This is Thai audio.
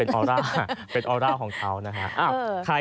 ออร่าเป็นออร่าของเขานะฮะ